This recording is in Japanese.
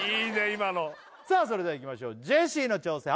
今のさあそれではいきましょうジェシーの挑戦